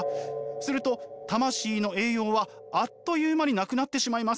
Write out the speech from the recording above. すると魂の栄養はあっという間になくなってしまいます。